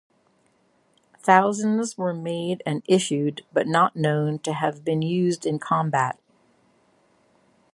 Thousands were made and issued but not known to have been used in combat.